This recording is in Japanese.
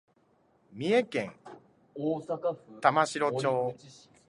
三重県玉城町